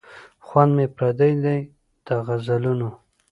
خوند مي پردی دی د غزلونو